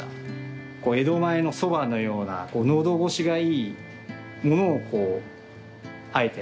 江戸前のそばのような喉越しがいいものをあえて合わせて。